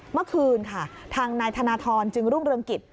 เมื่อคืนค่ะทางนายธนทรจึงรุ่งเรืองกิจ